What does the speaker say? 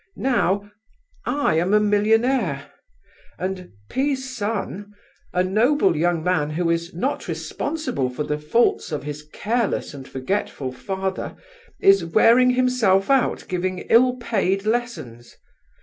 Now I am a millionaire, and P——'s son, a noble young man who is not responsible for the faults of his careless and forgetful father, is wearing himself out giving ill paid lessons.